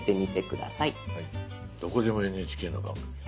「どこでも、ＮＨＫの番組を」。